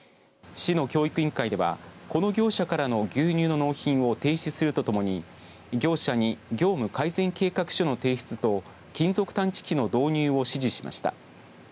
市の教育委員会ではこの業者からの牛乳の納品を停止するとともに、業者に業務改善計画書の提出と金属探知機の導入を指示しました。